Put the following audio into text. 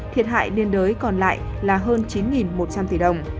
thiệt hại liên đới còn lại là hơn chín một trăm linh tỷ đồng